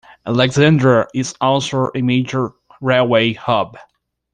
Alessandria is also a major railway hub.